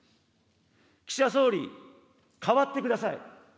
岸田総理、変わってください。